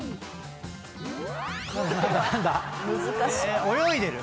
難しい。